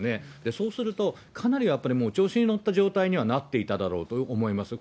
そうすると、かなりやっぱり調子に乗った状態にはなっていただろうと思いますよ。